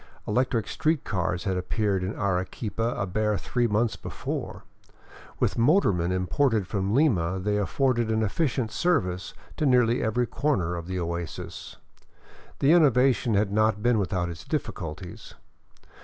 Electric street cars had appeared in Arequipa a bare three months before ; with motormen imported from Lima they afforded an efficient service to nearly every corner of the oasis. The innovation had not been without its difficulties.